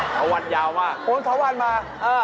ท้าวันยาวมากเลยเสร็จท้าวันมา